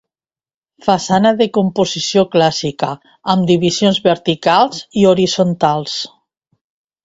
Façana de composició clàssica amb divisions verticals i horitzontals.